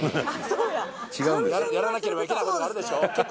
そうややらなければいけないことがあるでしょ